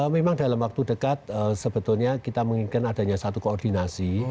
memang dalam waktu dekat sebetulnya kita menginginkan adanya satu koordinasi